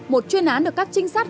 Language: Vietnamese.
một chuyên án được các trinh sát